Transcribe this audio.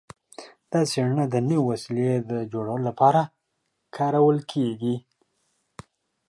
دا څیړنه د نوې وسیلې د جوړولو لپاره کارول کیږي.